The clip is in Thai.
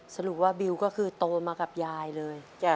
สรุปว่าบิวก็คือโตมากับยายเลย